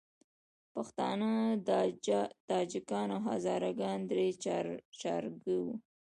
پښتانه، تاجکان او هزاره ګان درې چارکه وو.